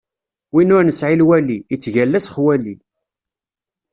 Win ur nesɛi lwali, ittgalla s xwali.